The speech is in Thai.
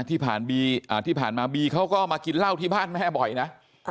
ที่ผ่านมาบีเขาก็มากินเหล้าที่บ้านแม่บ่อยนะ